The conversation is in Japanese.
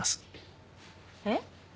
えっ？